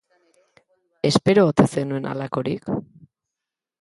Espero ote zenuen halakorik?